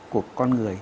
của con người